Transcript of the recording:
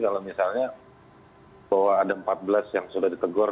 kalau misalnya bahwa ada empat belas yang sudah ditegur